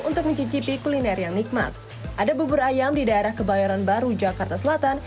untuk mencicipi kuliner yang nikmat ada bubur ayam di daerah kebayoran baru jakarta selatan